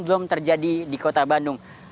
belum terjadi di kota bandung